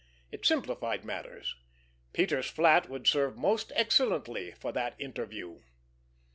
It simplified matters. Peters' flat would serve most excellently for that interview!